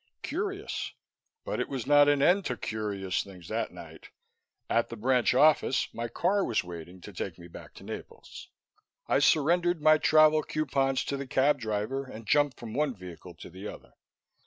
Curious; but it was not an end to curious things that night. At the branch office, my car was waiting to take me back to Naples. I surrendered my travel coupons to the cab driver and jumped from one vehicle to the other.